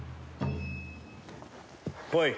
来い。